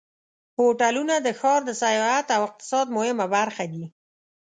هوټلونه د ښار د سیاحت او اقتصاد مهمه برخه دي.